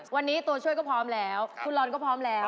วันนี้ตัวช่วยก็พร้อมแล้วคุณลอนก็พร้อมแล้ว